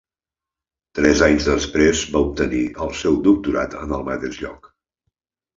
Tres anys després va obtenir el seu Doctorat en el mateix lloc.